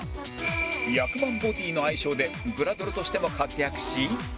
役満ボディの愛称でグラドルとしても活躍し